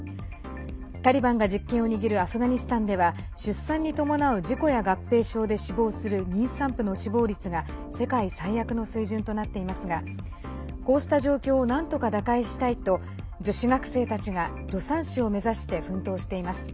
タリバンが実権を握るアフガニスタンでは出産に伴う事故や合併症で死亡する妊産婦の死亡率が世界最悪の水準となっていますがこうした状況をなんとか打開したいと女子学生たちが助産師を目指して奮闘しています。